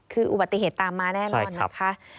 คืออุบัติเหตุตามมาแน่นอนนะคะ